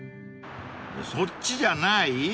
［そっちじゃない？